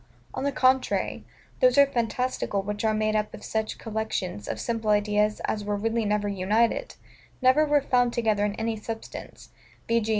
On the contrary, those are fantastical which are made up of such collections of simple ideas as were really never united, never were found together in any substance: v. g.